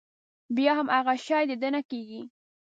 بيا هم هغه شی د ده نه کېږي.